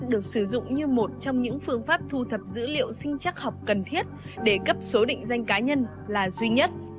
được sử dụng như một trong những phương pháp thu thập dữ liệu sinh chắc học cần thiết để cấp số định danh cá nhân là duy nhất